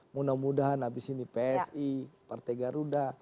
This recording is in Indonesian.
mudah mudahan habis ini psi partai garuda